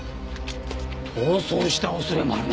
逃走した恐れもあるな。